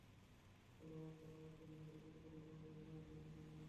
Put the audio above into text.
পরে অবস্থার অবনতি হওয়ায় দুজনকে ঢাকা মেডিকেল কলেজ হাসপাতালে পাঠানো হয়েছে।